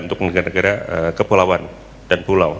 untuk negara negara kepulauan dan pulau